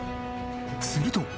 すると。